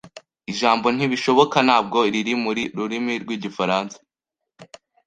Ijambo "ntibishoboka" ntabwo riri mu rurimi rwigifaransa.